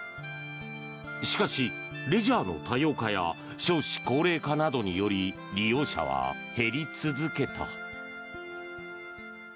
しかし、レジャーの多様化や少子高齢化などにより利用者は減り続けた。